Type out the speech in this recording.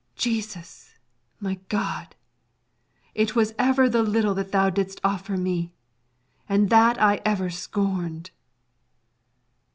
Jesus, my God, it was ever the little that thou didst offer me, and that I ever scorned!